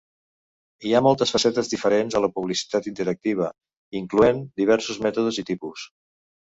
Hi ha moltes facetes diferents a la publicitat interactiva, incloent diversos mètodes i tipus.